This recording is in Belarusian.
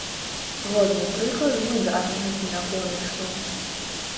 Годны прыклад выдатнага кінакоміксу.